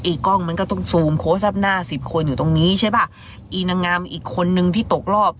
กล้องมันก็ต้องซูมโค้ชรับหน้าสิบคนอยู่ตรงนี้ใช่ป่ะอีนางงามอีกคนนึงที่ตกรอบ